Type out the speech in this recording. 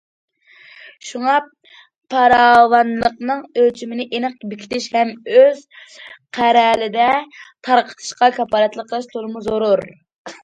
شۇڭا پاراۋانلىقنىڭ ئۆلچىمىنى ئېنىق بېكىتىش ھەم ئۆز قەرەلىدە تارقىتىشقا كاپالەتلىك قىلىش تولىمۇ زۆرۈر.